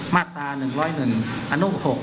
มาตรา๑๐๑อนุ๖